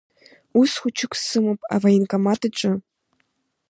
Ус хәыҷык сымоуп авоенкомат аҿы.